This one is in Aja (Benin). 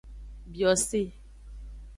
Biose.